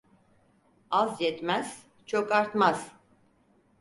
Az yetmez, çok artmaz!